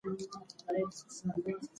که ته مطالعې ته وخت ورکړې پوهېږې.